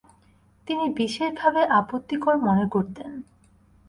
তিনি বিশেষভাবে আপত্তিকর মনে করতেন।